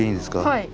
はい。